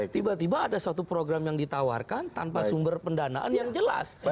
tiba tiba ada satu program yang ditawarkan tanpa sumber pendanaan yang jelas